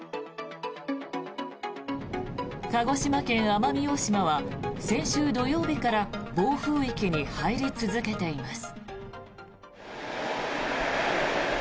鹿児島県・奄美大島は先週土曜日から暴風域に入り続けています。